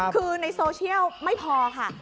คือในโซเชียลไม่พอค่ะ